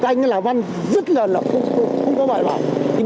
canh lào văn rất là không có bài bản